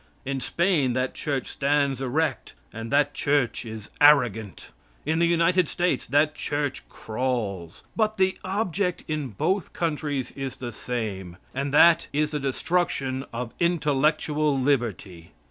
In Spain that Church stands erect, and that Church is arrogant. In the United States that Church crawls. But the object in both countries is the same, and that is the destruction of intellectual liberty.